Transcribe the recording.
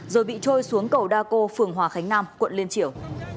rồi bị trôi xuống cầu đa cô phường hòa khánh nam quận liên triểu